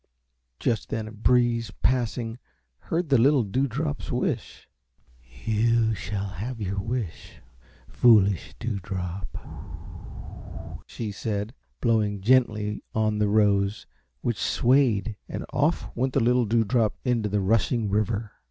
Just then a breeze passing heard the little Dewdrop's wish. "You shall have your wish, foolish Dewdrop," she said, blowing gently on the rose, which swayed, and off went the little Dewdrop into the rushing river.